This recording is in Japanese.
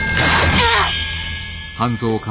うっ。